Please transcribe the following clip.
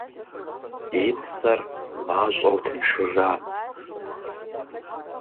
И псэр мащӀэу тыншыжат…